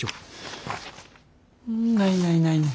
ないないないない。